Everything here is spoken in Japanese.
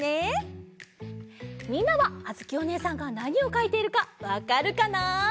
みんなはあづきおねえさんがなにをかいているかわかるかな？